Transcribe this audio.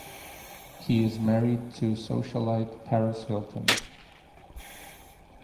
He is married to socialite Paris Hilton.